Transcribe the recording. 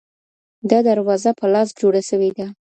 دا دروازه په لاس جوړه سوي ده.